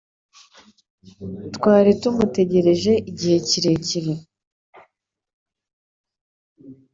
Twari tumutegereje igihe kirekire.